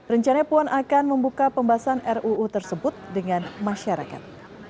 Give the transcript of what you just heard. rencana puan akan membuka pembahasan ruu tersebut dengan masyarakat